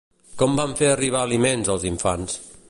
Com van fer arribar aliments als infants?